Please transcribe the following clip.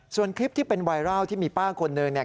ส่วนคลิปที่เป็นไวรัลที่มีป้าคนหนึ่งเนี่ย